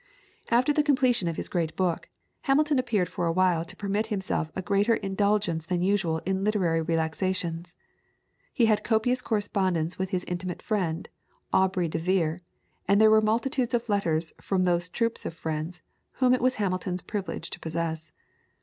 After the completion of his great book, Hamilton appeared for awhile to permit himself a greater indulgence than usual in literary relaxations. He had copious correspondence with his intimate friend, Aubrey de Vere, and there were multitudes of letters from those troops of friends whom it was Hamilton's privilege to possess.